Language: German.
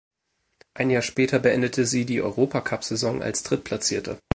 Ein Jahr später beendete sie die Europacupsaison als Drittplatzierte.